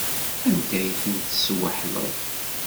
Anda ay ten-tesweḥleḍ?